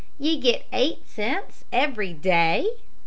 "Ye get eight cents every day?"